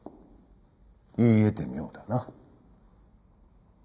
言い得て妙だな。